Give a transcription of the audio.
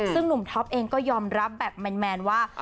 ซึ่งหนุ่มท็อปเองก็ยอมรับแบบแมนว่า